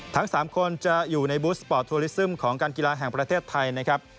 ทั้ง๓คนจะอยู่ในบูสปอร์ตทัวลิซึมของการกีฬาแห่งประเทศไทยนะครับ